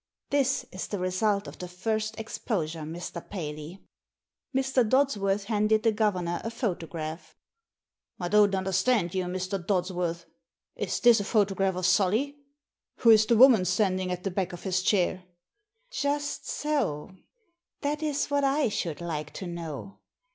This is the result of the first exposure, Mr. Paley." Mr. Dodsworth handed the governor a photograph. " I don't understand you, Mr. Dodsworth. Is this a photograph of Solly? Who is the woman stand ing at the back of his chair ?" "Just so— that is what I should like to know.